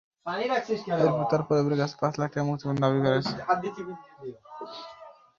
এরপর তাঁর পরিবারের কাছে পাঁচ লাখ টাকা মুক্তিপণ দাবি করা হয়।